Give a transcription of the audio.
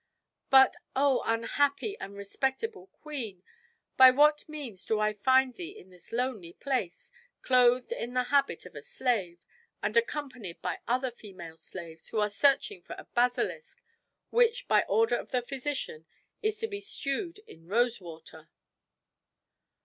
"But, O unhappy and respectable queen! by what means do I find thee in this lonely place, clothed in the habit of a slave, and accompanied by other female slaves, who are searching for a basilisk, which, by order of the physician, is to be stewed in rose water?"